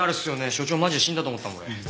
所長マジで死んだと思ったもん俺。